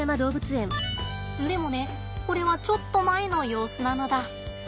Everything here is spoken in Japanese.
でもねこれはちょっと前の様子なのだ。